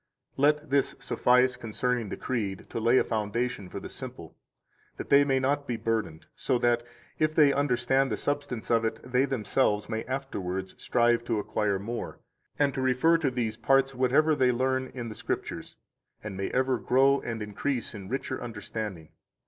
70 Let this suffice concerning the Creed to lay a foundation for the simple, that they may not be burdened, so that, if they understand the substance of it, they themselves may afterwards strive to acquire more, and to refer to these parts whatever they learn in the Scriptures, and may ever grow and increase in richer understanding.